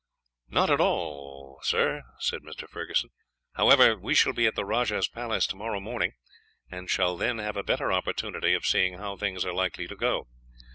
"Not at all, sir. However, we shall be at the rajah's place tomorrow morning, and shall then have a better opportunity of seeing how things are likely to go.